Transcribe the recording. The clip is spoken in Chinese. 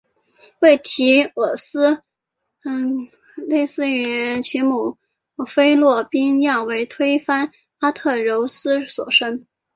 为堤厄斯忒斯与其女菲洛庇亚为推翻阿特柔斯所生。